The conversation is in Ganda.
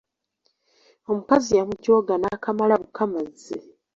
Omukazi yamujooga n'akamala bukamazi.